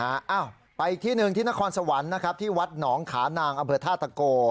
อ้าวไปอีกที่หนึ่งที่นครสวรรค์นะครับที่วัดหนองขานางอำเภอท่าตะโก